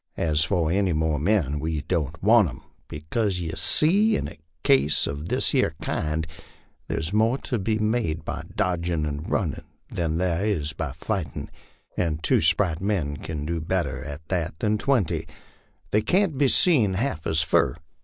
As for any more men, we don't want 'em, because yer see in a case of this 'ere kind thar's more to be made by dodgin' an' runnin' than thar is by fightin', an 1 two upright men kin do better at that than twenty; they can't be seen half as fur.